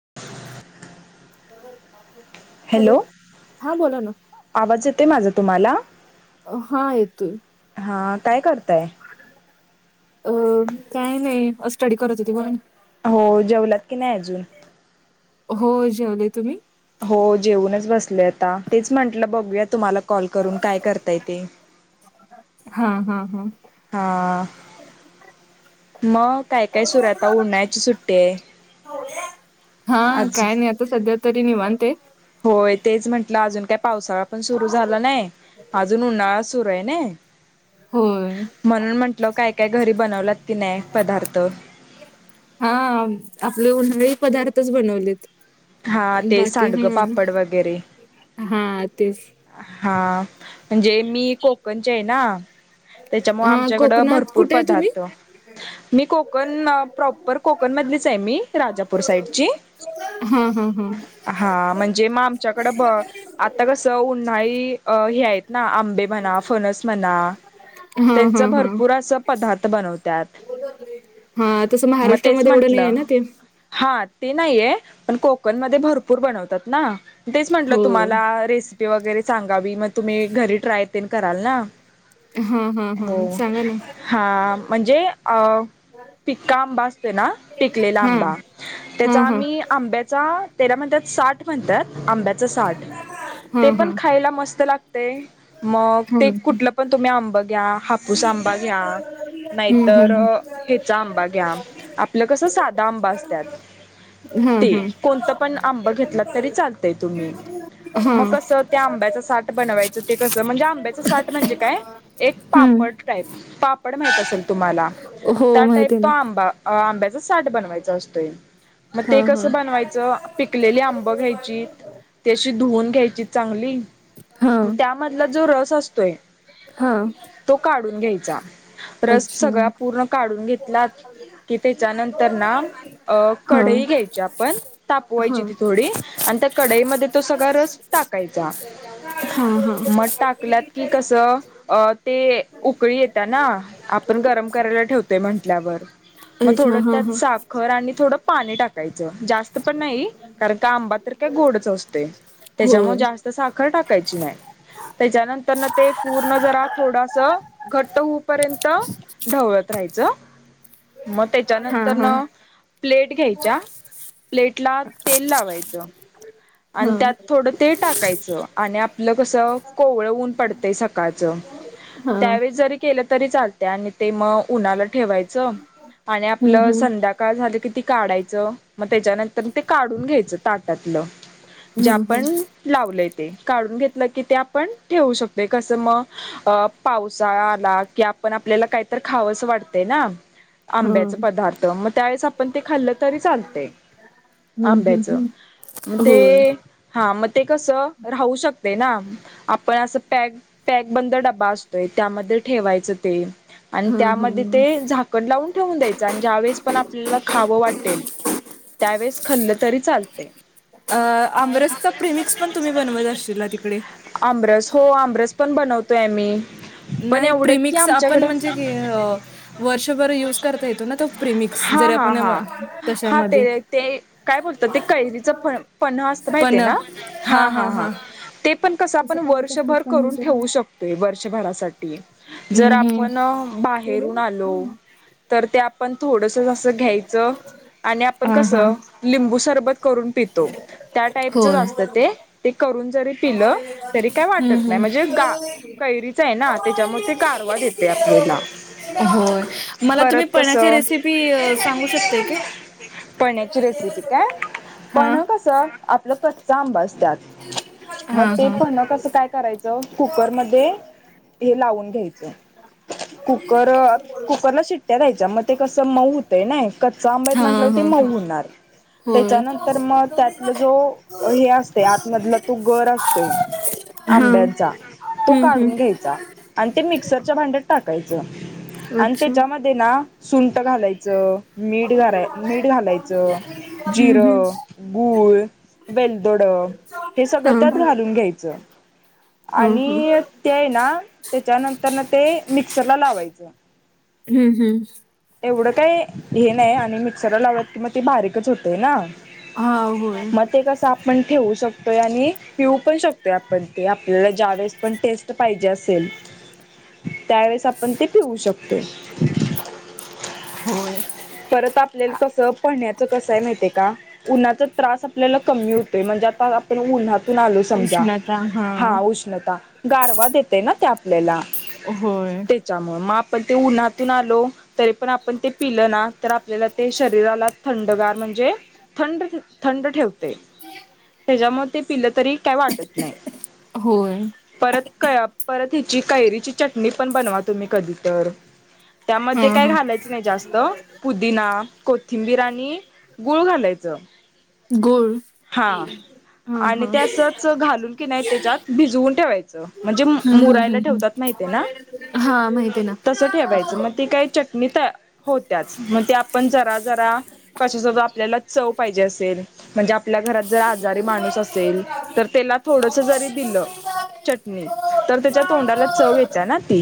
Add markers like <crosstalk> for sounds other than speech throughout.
<unintelligible> Hello हा बोला ना आवाज येते माझा तुम्हाला अ, हा येतोय हा काय कर ते अ काय नाही स्टडी करत होती पण हो जेवलात की नाही अजून हो जेवले तुम्ही हो जेऊनच बसले आता तेच म्हंटलं बघूया तुम्हाला कॉल करून काय करताय ते हा हा हा हा मग काय काय सुरता उड्हायची सुट्टी आहे हा आज काय नाही आता सध्या तरी नव अंत होय तेच म्हंटलं अजून काय पावसाळा पण सुरू झाला नाही अजून उन्हाळा सुरू आहे होय म्हणून म्हंटल काय काय घरी बनवला हा आपली उन्हाळी पदार्थच बनवलेत हा ते बाकी सांडगं पापड वगैरे म्ह हा तेच हां म्हणजे मी कोकणचे आहे ना त्याच्यामु हा आमच्याकडं कोकणात भरपूर कुठे आहे तुम्ही पदार्थ मी कोक कोकण प्रॉपर कोकण मधलीच आहे मी राजापूर साईडची हा हा हा हा म्हणजे मग आमच्याकड आता कस उ्हाळी हे आहेत ना आंबे म्हणा फणस म्हणा हा त्यांच हा हा भरपूर असं पदार्थ बनवतत हा तसं महाराष्ट्रामध्ये एवढं नाही आहे ना ते नाही पण को कुकन मध्ये भरपूर बनवतात ना तेच म्हटलं हो तुम्हाला रेसि वगैरे सांग गावी मग तुम्ही घरी ट्राय कराल ना हा हा हा हो सांगा ना हा म्हणजे अ पिक्का आंबा असतो ना पिकलेला हा आंबा हा त्याचा हा आम्ही आंब्या तेरा म्हणतात साठ म्हणतात आंब्याचं साठ हा ते पण हा खायला मस्त लाग मग ते हम्म. कुठलं पण तुम्ही आंबं घ्या हापूस आंबा घ्या हम्म नाहीतर हेचा आंबा घ्या आपलं कसं साधं आंबं असतात हम्म ते. हम्म. कोणतं पण आंबा घेतला तरी चालतंय तुम्ही हा हा हा मग कसं त्या आंब्याच साठ बनवायचं ते कसं म्हणजे आंब्याच साठ म्हणजे काय एक हम्म पड टाईप पापड माहित असेल तुम्हाला हो त्या टाईप माहिती आहे तो ना आंबा अं आंब्या साठ बनवायचं असतोय. मग हा ते हा कसं बनवायचं अ पिकलेली आंबं घेयची ते धुवून घ्यायची चांगली. हा त्यामधला जो रस असतोय हा तो काढून घ्यायचा रस अच्छा सगळा पूर्ण काढून घेत ला कि त्याच्यानंतर ना अ हा कढई घ्यायची आपण हा हा तापवायची ती थोडी आणि त्या कढईमध्ये तो सगळा रस टाकायचा हा मग टाकलात कि कसं अ ते उकळी येते ना आपण गरम करायला ठेवतो ते म्हटल्यावर मग अच्छा थोडं हा त्यात हा साखर आणि थोडं पाणी टाकायचं जास्त पण नाही कारण का आंबा तर काय गोडच असतोय होय त्याच्यामुळे जास्त साखर टाक नाही त्याच्यानंतर ते पूर्ण जरा थोडं असं घट्ट होऊ पर्यंत ढवळत राहायचं. मग हा त्याच्यानंतर हा न प्लेट घ्यायच्या प्लेट ला तेल लावायचं हा आणि त्यात थोडं ते टाकायचं आणि आपलं कसं कोवळं ऊन पडतंय सकाळचं हा त्यावेेळेस जरी केलं तरी चालत त्यानी ते मग उन्हाला ठेवायचं आणि हम्म आपलं हम्म संध्याकाळ झालं की त काढायचं मग त्याच्यानंतर ते काढून घ्यायचं ताटातलं जे हम्म हम्म आपण लावलय ते काढून घेत की ते आपण ठेवू शकत कसं मग पावसाळा आला की आपण आपल्याला काहीत खावसच वाटतंय ना आंब्याच हा पदार्थ मग त्यावेेळेस आपण ते खाल्लं तरी चालते हम्म, हम्म, आंब्याच हम्म. ते होय. हां म ते कसं राहू शकते ना आपण असं पॅक पॅक बंद डबा असतोय त्यामध्ये ठेवायच ते आणि हां, त्यामध्ये हां. ते झाकण लावून ठेवून द्यायचं आणि ज्यावेेळेस पण आपल्याला खावं वाटेल त्यावेेळेस खाल्लं तरी चालते अ आमरसचा प्रिमिक्स पण तुम्ही बनवत असशीला तिकडे आमरस हो आमरस पण बनवतोय आम्ही पण नाही एवढं की प्रिमिक्स आपण आमच्याकडं म्हणजे वर्षभर युज करता येतो ना तो प्रिमिक्स हा जरी हा आपण हा हा तशामध्ये ते पन्हा असतंय माहिती पण आहे ना हा हां, हा हां, हा हां. ते पण कस तसं करायचं असतील वर्षभर पनीर करून जरी ठेवू शकतोय साठी जर हम्म, हम्म. आपण केले बाहेरून आलो हं. तर त्या आपण थोडस जसं घ्यायचं आणि आपण हां, हां. कसं लिंबू सरबत करून पितो त्या टाईप च असत ते, ते करून जरी पिलं तरी काय हम् वाटत नाही म्हणजे गा कैरीच आहे ना त्याच्यामुळे ते गारवा देते आपल्याला ह् होय मला तुम्ही परत पण्याची कसं रेसिपी सांगू शकता पण्याची हा आपला कच्चा अंबास मग हा ते हा. पण कस काय करायचं कुकर मध्ये हे लावून घ्यायच कुकर कुकरला शिट्ट्या द्यायच्या मग ते कसं मऊ होतंय ना कच्चा आंब्यात हा म्हंटलं ते हा मऊ हा होणार होय. त्याच्यानंतर मग त्या जो हे असतं आतमधला तो गर असतो हा आंब्यांचा तो हम्म हम्म काढून घ्यायचा आणि ते मिक्सरच्या भांड्यात टाक कायचं आणि अच्छा. त्याच्या मध्ये ना सुल आटं घालायचं मीठ घालाय मीठ घालायचं हम्म हम्म जिरं गुळ वेलदोड हे हा हा. सगळं हा त्यात हा घालून घ्यायचं हम्म आणि ते आहे ना त्याच्यानंतर ना ते मिक्सरला लावायचं जा हम्म हम्म एवढं काय हे नाही मी मिक्सर लावलात की मग बारीक छोटे ना हा होय मग ते कस आपण ठेवू शक य आणि पिऊ पण शकतोय आपण ते आपल्याला ज्यावेेळेस पण टेस्ट पाहिजे असेल त्यावेेळेस आपण ते पिऊ शकतोय होय परत आपल्याला कसं पन्ह्याच कसं आहे माहिती आहे का उन्हाचा त्रास आपल्याला कमी हो तोय म्हणजे आता आपण उन्हातून आलो समजा हां उष्णता गारवा देते ना ते आपल्याला होय, त्याच्यामुळे म आ पण ते उन्हातून आलो तरी पण आपण ते पिलं ना तर आप ल्याला ते शरीराला थंडगार म्हणजे थंड थंड ठेवते त्याच्यामुळे ते पिलं तरी काय वाटत नाही होय. परत क परत हिची कैरीची चटणी पण बनवा तुम्ही कधी तर त्यामध्ये हां, काय हां. घालायचं नाही जास्त पुदिना कोथिंबीर आणि गुळ घालायचं गुळ हां हां, आणि हां. ते असच घालून की नाही त्याच्यात भिजवून ठेवायचं म्हणजे हं, हं, मुरायला हं, हं. ठेवतात माहिती आहे हे ना हां, माहिती आहे ना. तस ठेवायचं मग ते काही चटणी तया होत्याच मग ते आपण जरा जरा कशासोबत आपल्याला चव पाहिजे असेल म्हणजे आपल्या घरात जर आजारी माणूस असेल तर त्याला थोडस जरी दिलं चटणी तर त्याच्या तोंडाला चव येत्या ना ती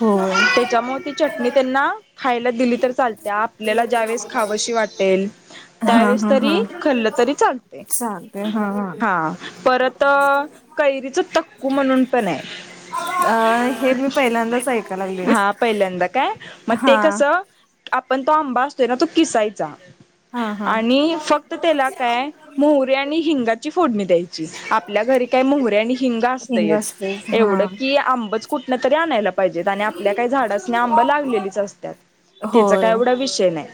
होय. त्याच्यामुळ ती चटणी त्यांना खायला दिली तर चालत्या आपल्याला ज्यावेळेस खावीशी वाटेल हां, त्यावेळेस हां, तरी हां. खाल्ल तरी चालतंय चालतंय हां, हां परत कैरीच टक्कू म्हणून पण अ हे मी आहे पहिल्यांदाच ऐकाय लागले. हां पहिल्यांदा काय मग ते हां, कस पण तो आंबा असतोय ना तो किसायचा हां हां आणि फक्त त्याला काय मोहरीे आणि हिंगाची फोडणी द्यायची आपल्या घरी काय मोहरीे आणि हिंग असतेच असतयचं एवढं हां. की आंबच कुठनतरी आणायला पा पाहिजेत आणि आपल्या काय झाडसनि आंब लागलेलीच असतात त्याच होय. काय एवढा विषय नाही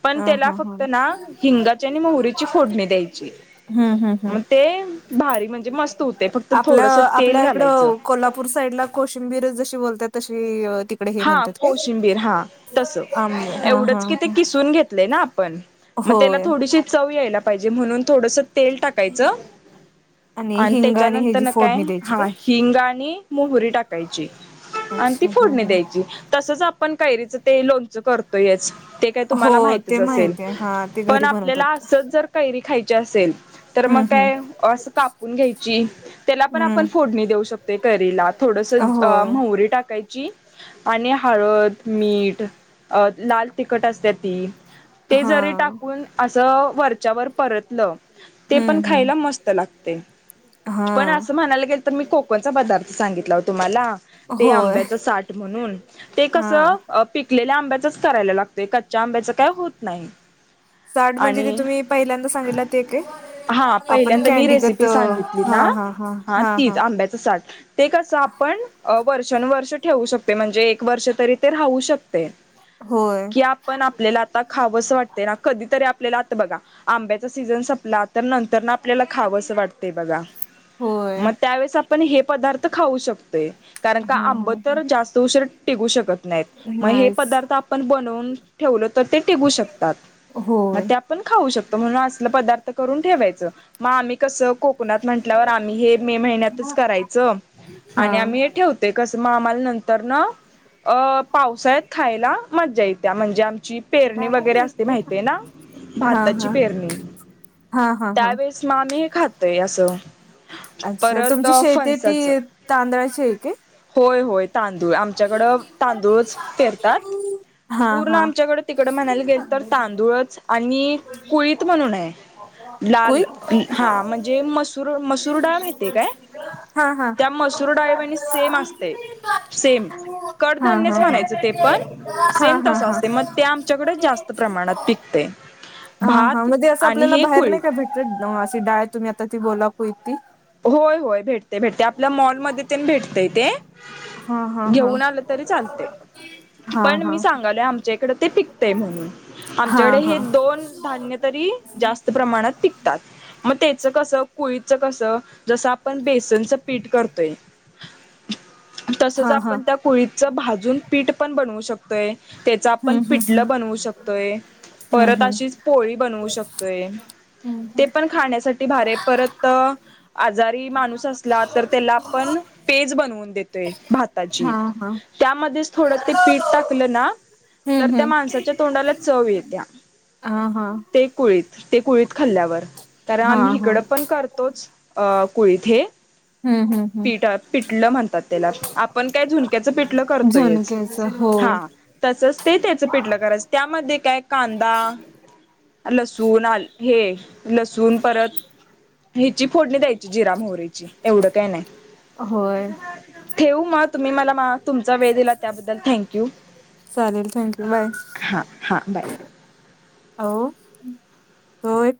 <inaudible> पण हां, त्याला फक्त ना हिंगाचे आणि मोहरी हम्म हम्म हम्म ते भारी म्हणजे मस्त होते फक्त आपल्या थोडस तेल आपल्या घालायचं इकडं कोल्हापूर साईड ला कोशिंबीर जशी बोलतात. तशी तिकडे हे हा म्हणतात काय? कोशिंबीर हा तस आंब हां, एवढंच हां, की ते हां. किसून घेत आपण तेला होय थोडंस चव याला पाहिजे म्हणून- थोडस तेल टाकायचं आणि हिंगाने त्याच्यानंतर ह्याची न काय फोडणी द्यायची हा काय? हिंग आणि मोहरी टाकायची, आणि ती अच्छा हा फोडणी हा. द्यायची तसंच आपण कैरीचं ते लोणच करतो. ते काय हो तुम्हाला माहितच ते असेल माहित आहे हा ते पण घरी आपल्याला, बनवतात. अस जर कैरी खायची असेल, तर मग हम्म हम्म काय अस कापून घ्यायची त्याला पण आपण हम्म फोडणी देऊ शकतोय कैरीला थोडस होय मोहरी टाकायची., <unintelligible> आणि हळद मीठ लाल तिखट असते ती- ते हा जरी टाकून अस वरच्यावर परतलं ते पण, हम्म हम्म खायला मस्त लागतयं, पण हा असं म्हणायला गेल तर मी कोकणचा पदार्थ सांगितला हो तुम्हाला ते होय आंब्याच साठ हम्म ते हा कसं पिकलेल्या आब्यांच. करायला लागतय कच्च्या आंब्याच काय होत नाही. साठ म्हणजे ते आणि तुम्ही पहिल्यांदा सांगितलं ते काय हा आपण पहिल्यांदा मी कॅनडीगत रेसिपी सांगितली ना हा हा हा हा तीच हा., आंब्याचं साठ ते कसं आपण. वर्षान वर्ष ठेवू शकतो म्हणजे एक वर्ष तरी ते राहू शकतंय. होय कि आपण आपल्याला आता खावंस वाटते ना कधीतरी आपल्याला आता बघा आंब्याचा सीझन संपला तर नंतर ना आपल्याला खावं असं वाटते बघा होय मग त्यावेळेस आपण हे पदार्थ खाऊ शकतोय कारण का हा हा आंब तर जास्त. टिकू शकत नाही मग हे नाहीच पदार्थ आपण बनवून ठेवल तर ते टिकू शकतात मग होय ते आपण खाऊ शकतो म्हणून असल पदार्थ करून ठेवायचं मग आम्ही कसं कोकणात म्हटल्यावर आम्ही हे मे महिन्यातच करायचं हा आणि आम्ही हे ठेवतोय कस मग आम्हाला नंतर तर अ पावसाळ्यात खायला मज्जा येत्या म्हणजे आमची पेरणी हा वगैरे असते माहितीय ना भाताची हा पेरणी हा हा हा. त्यावेेळेस मग आम्ही हे खातोय अस. <unintelligible> अच्छा तुमची शेती ती तांदळाची आहे काय? होय होय. तांदूळ आमच्याकडं तांदूळच पेरतात हा पूर्ण हा आमच्याकडे तिकड म्हणायला गेल तर तांदूळच आणि कुळीत म्हणून आहे लाल कोई हा म्हणजे मसूर मसूर डाळ माहितय काय हा हा त्या हा मसूर डाळी वानी सेम असते. सेम हा कडधान्यच हा म्हणायचं ते पण हा. सेम हा तस असते मग ते आमच्याकडे जास्त प्रमाणात पिकतय. हा हा म्हणजे असं आपल्याला बाहेर नाही का भेटत अशी डाळ आहे तुम्ही आता जी बोला कोई ती होय होय भेटते भेटते आपल्या मॉलमध्ये तेन भेटतेय ते हा हा हा घेऊन आलं तरी चालतय, हा पण मी हा सांगालोय आमच्या इकडे ते पिकतेय म्हणून, हा आमच्याकडे हे हा दोन दोन धान्य तरी जास्त प्रमाणात पिकतात. मग ते च कसं कुळीचं कसं? जसं आपण बेसनचं पीठ करतोय. तसच हा हा आपण त्या कुळीचं भाजून पीठ पण बनवू शकतो. <unintelligible> त्याच आपण हम्म हम्म पिटलं बनवू शकतोय, हम्म परत हम्म अशीच पोळी बनवू शकतोय, हम्म ते हम्म पण खाण्यासाठी भरीये परत आजारी माणूस असला तर त्याला आपण पेज बनवून देतोय भाताची हा हा त्यामध्येच थोडं ते पीठ टाकलं ना तर हम्म त्या हम्म माणसाच्या तोंडाला चव येत्या, हा हा ते कुळीत ते कुळीत खल्ल्यावर. तर हा आम्ही हा हिकडं पण करतोच. अ कुळीत हे. हम्म हम्म हम्म पिट पिटलं म्हणतात त्याला, आपण काय झुणक्याचं पिटलं करतोयच झुणक्याच हो हा तसच ते त्याचं पिटलं करायचं त्यामध्ये काय कांदा, लसूण आ हे लसूण परत ह्याची फोडणी द्यायची जिरा मोहरीचीएवढं काय नाय, होय ठेऊ मग? तुम्ही मला मा तुमचा वेळ दिला त्याबद्दल थँंक यू चालेल थँक्यू बाय हा हा बाय. आओ होय.